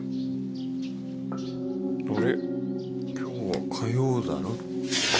あれ今日は火曜だろ。